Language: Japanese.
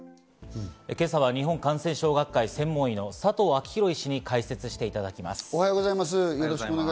今朝は日本感染症学会専門医の佐藤昭裕医師に解説していただきます。